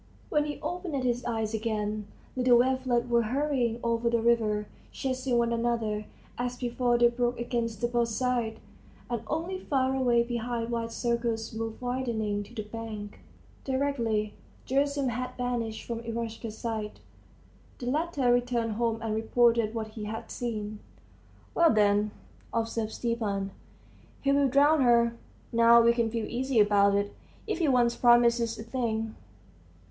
When he opened his eyes again, little wavelets were hurrying over the river, chasing one another; as before they broke against the boat's side, and only far away behind wide circles moved widening to the bank. Directly Gerasim had vanished from Eroshka's sight, the latter returned home and reported what he had seen. "Well, then," observed Stepan, "he'll drown her. Now we can feel easy about it. If he once promises a thing